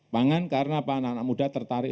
pangan karena pahlawan anak muda tertarik